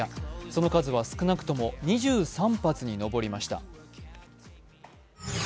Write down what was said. その数は少なくとも２３発に上りました。